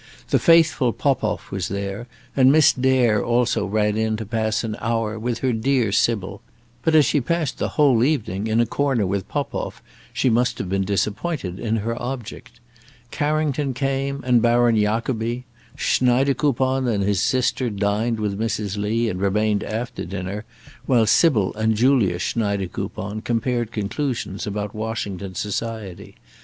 The faithful Popoff was there, and Miss Dare also ran in to pass an hour with her dear Sybil; but as she passed the whole evening in a corner with Popoff, she must have been disappointed in her object. Carrington came, and Baron Jacobi. Schneidekoupon and his sister dined with Mrs. Lee, and remained after dinner, while Sybil and Julia Schneidekoupon compared conclusions about Washington society.